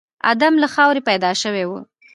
ادم له خاورې پيدا شوی و.